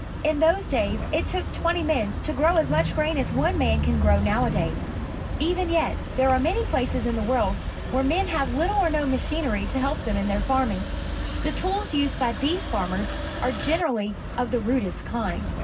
In those days it took twenty men to grow as much grain as one man can grow nowadays. E\ en yet there are many places in the world where men have little or no machin ery to help them in their farming. The tools used by these farmers are generally of 1 he rudest kind.